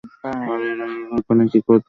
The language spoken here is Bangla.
আরে আরুল, এখানে কি করছো?